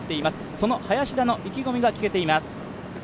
その林田の意気込みが聞けています。